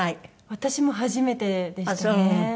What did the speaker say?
私も初めてでしたね。